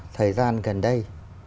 thời gian gần đây